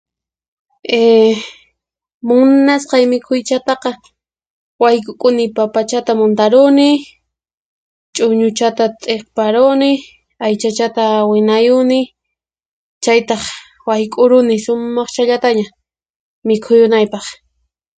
Ehh Munasqay mikhuychataqa wayk'ukuni papachata muntaruni, ch'uñuchata t'iqparuni, aychachata winayuni chaytaq wayk'uruni sumaqchallataña mikhuyunaypaq.